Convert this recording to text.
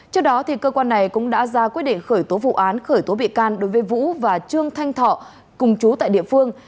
trước đó cơ quan này cũng đã ra quyết định khởi tố vụ án khởi tố bị can đối với vũ và trương thanh thọ cùng chú tại địa phương